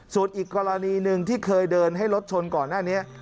ส่วนอีกกรณีหนึ่งที่เคยเดินให้รถชนก่อนหน้านี้